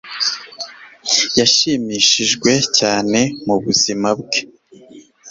Yashimishijwe cyane nubuzima bwe